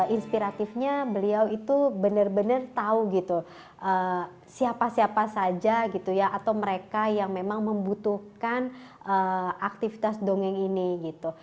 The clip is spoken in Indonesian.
inspiratifnya beliau itu benar benar tahu gitu siapa siapa saja gitu ya atau mereka yang memang membutuhkan aktivitas dongeng ini gitu